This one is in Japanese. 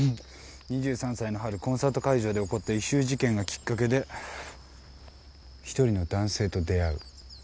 ２３歳の春コンサート会場で起こった異臭事件がきっかけで１人の男性と出会う。